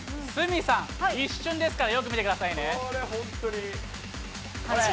鷲見さん、一瞬ですからよく見てくださいね。